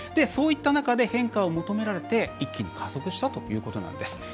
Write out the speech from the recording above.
そういった中で変化を求められて一気に加速したということなんです。